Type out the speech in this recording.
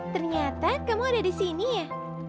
ternyata kamu ada disini ya